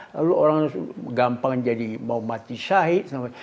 lalu orang gampang jadi mau mati syahid